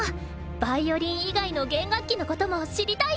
ヴァイオリン以外の弦楽器のことも知りたいよね。